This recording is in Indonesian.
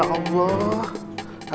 sepuluh ya bang sepuluh